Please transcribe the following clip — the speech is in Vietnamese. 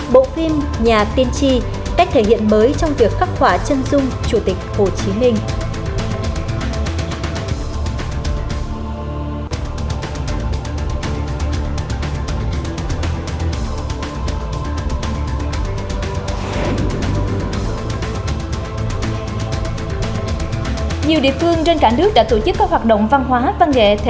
bộ phim nhà tiên tri cách thể hiện mới trong việc khắc họa chân dung chủ tịch hồ chí minh